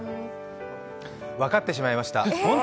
分かってしまいました。